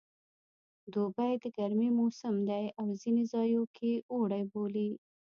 دوبی د ګرمي موسم دی او ځینې ځایو کې اوړی بولي